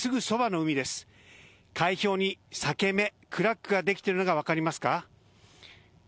海氷に裂け目、クラックができているのが分かりますか。